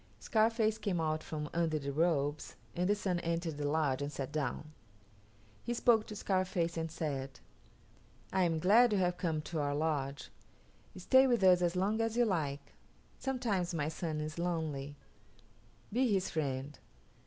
Scarface came out from under the robes and the Sun entered the lodge and sat down. He spoke to Scarface and said, "I am glad you have come to our lodge. Stay with us as long as you like. Sometimes my son is lonely. Be his friend."